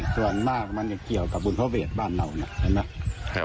ส่วนมากมันจะเกี่ยวกับบุญพระเวทบ้านเราเนี่ยเห็นไหม